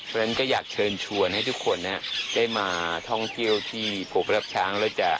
ฉะนั้นก็อยากเชิญชวนให้ทุกคนนะได้มาท่องเที่ยวที่โปรดับช้าง